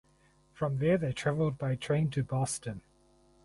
From there they traveled by train to Boston.